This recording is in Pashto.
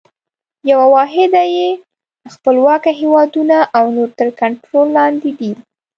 یوه واحده یې خپلواکه هیوادونه او نور تر کنټرول لاندي دي.